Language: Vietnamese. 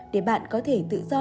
để bạn có thể tự do